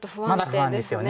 まだ不安ですよね。